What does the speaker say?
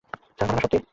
Sir, ঘটনা সত্যি।